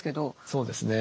そうですね。